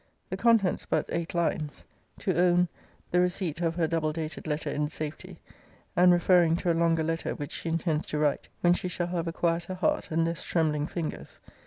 The contents but eight lines To own 'The receipt of her double dated letter in safety; and referring to a longer letter, which she intends to write, when she shall have a quieter heart, and less trembling fingers.